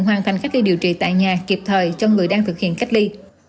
hoàn thành cách ly điều trị tại nhà kịp thời cho người đang thực hiện cách ly